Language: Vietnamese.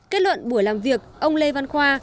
kết luận buổi làm việc ông lê văn khoa